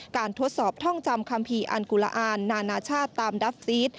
ทดสอบท่องจำคัมภีร์อันกุลาอาณานานาชาติตามดับซีส